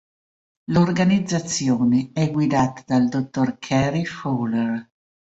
L'organizzazione è guidata dal dott Cary Fowler.